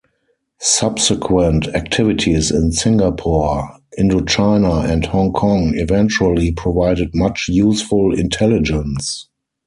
Subsequent activities in Singapore, Indo-China and Hong Kong eventually provided much useful intelligence.